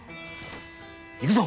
行くぞ！